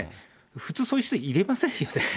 普通、そういう人入れませんよね。